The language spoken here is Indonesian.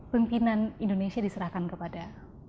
pemimpinan indonesia diserahkan kepada